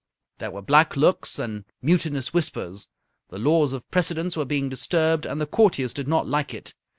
There were black looks and mutinous whispers. The laws of precedence were being disturbed, and the courtiers did not like it.